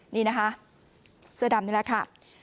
นี่นะคะเสื้อดำนี่แหละค่ะ